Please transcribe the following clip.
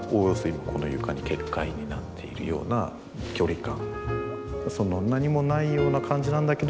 今この床に結界になっているような距離感。